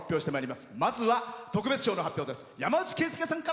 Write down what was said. まずは特別賞の発表です。